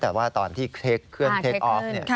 แต่ว่าตอนที่เทคเครื่องเทคออฟ